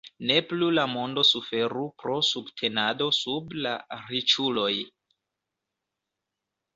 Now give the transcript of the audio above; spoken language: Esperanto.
Ne plu la mondo suferu pro subtenado sub la riĉuloj